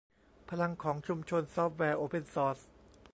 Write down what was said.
พลังของชุมชนซอฟต์แวร์โอเพนซอร์ส